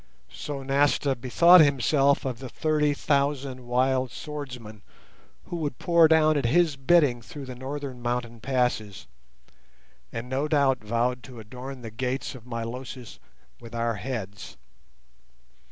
So Nasta bethought himself of the thirty thousand wild swordsmen who would pour down at his bidding through the northern mountain passes, and no doubt vowed to adorn the gates of Milosis with our heads.